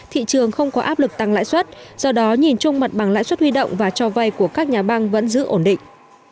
thị trường không có áp lực tăng lãi suất do đó nhìn chung mặt bằng lãi suất huy động và cho vay của các nhà băng vẫn giữ ổn định